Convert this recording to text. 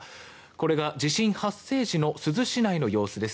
これが地震発生時の珠洲市内の様子です。